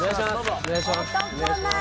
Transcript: お願いします。